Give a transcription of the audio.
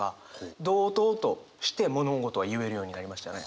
同等として物事を言えるようになりましたね。